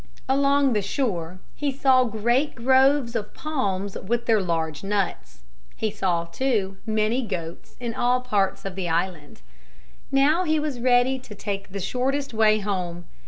Along the shore he saw great groves of palms with their large nuts. He saw, too, many goats in all parts of the island. Now he was ready to take the shortest way home.